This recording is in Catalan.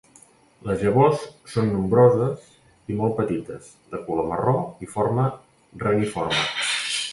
Les llavors són nombroses i molt petites, de color marró i forma reniforme.